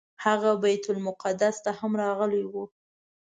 هغه بیت المقدس ته هم راغلی و.